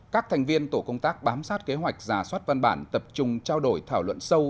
các thành viên tổ công tác bám sát kế hoạch giả soát văn bản tập trung trao đổi thảo luận sâu